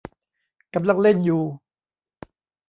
กำลังเล่นอยู่